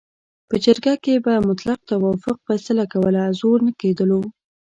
په جرګه کې به مطلق توافق فیصله کوله، زور نه کېدلو.